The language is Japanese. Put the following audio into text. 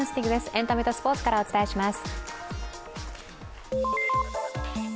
エンタメとスポーツからお伝えします。